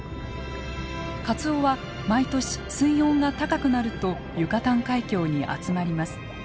カツオは毎年水温が高くなるとユカタン海峡に集まります。